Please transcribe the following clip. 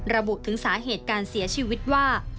ระบุถึงสาเหตุการเสียชีวิตว่า